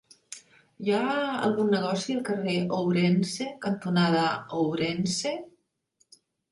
Hi ha algun negoci al carrer Ourense cantonada Ourense?